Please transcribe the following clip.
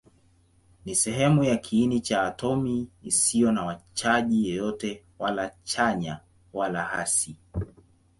Ni sehemu ya kiini cha atomi isiyo na chaji yoyote, wala chanya wala hasi.